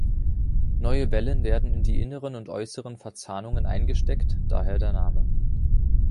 Neue Wellen werden in die inneren und äußeren Verzahnungen eingesteckt, daher der Name.